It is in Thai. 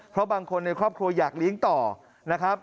เพราะบางคนในครอบครัวอยากเลี้ยงต่อนะครับ